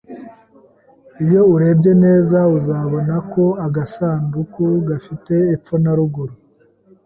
Iyo urebye neza, uzabona ko agasanduku gafite epfo na ruguru.